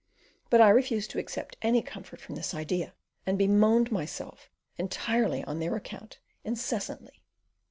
But I refused to accept any comfort from this idea, and bemoaned myself, entirely on their account, incessantly.